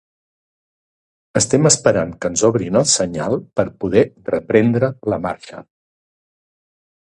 Estem esperant que ens obrin el senyal per a poder reprendre la marxa.